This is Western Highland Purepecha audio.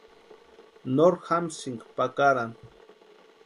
Nori jamsïnka pakarani.